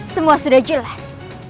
semua sudah jelas